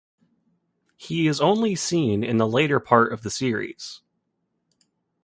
He is only seen in the later part of the series.